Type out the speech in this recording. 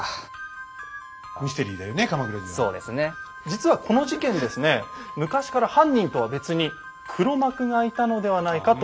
実はこの事件ですね昔から犯人とは別に黒幕がいたのではないかと言われていたんです。